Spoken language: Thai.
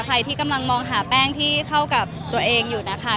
ใครที่กำลังมองหาแป้งที่เข้ากับตัวเองอยู่นะคะ